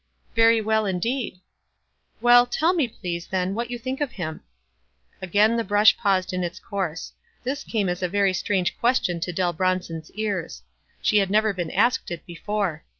"Very well, indeed." "Well, tell me, please, then, what you think of him." Again the brush paused in its course. This came as a very strange question to Doll Bron son's ears. She had never been asked it before.